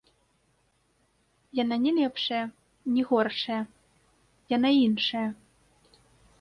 Яна ні лепшая, ні горшая, яна іншая.